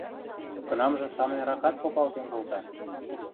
Кынамжы самыньракат попалтен колта.